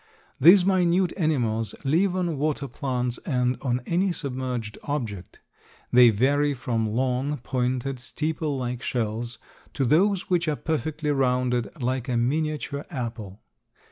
These minute animals live on water plants and on any submerged object. They vary from long, pointed, steeple like shells to those which are perfectly rounded like a miniature apple.